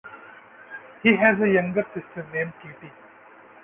He has a younger sister named Katie.